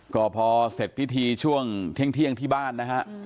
ก็พอเสร็จพิธีช่วงเที่ยงที่บ้านนะฮะ